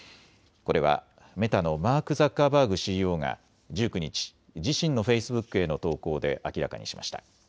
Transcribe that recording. これはメタのマーク・ザッカーバーグＣＥＯが１９日、自身のフェイスブックへの投稿で明らかにしました。